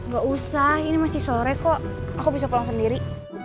gak usah ini masih sore kok aku bisa pulang sendiri